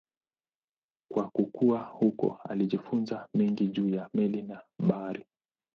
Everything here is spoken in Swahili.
Kwa kukua huko alijifunza mengi juu ya meli na bahari.